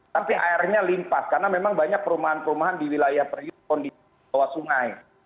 tapi airnya limpah karena memang banyak perumahan perumahan di wilayah priuk kondisinya di bawah sungai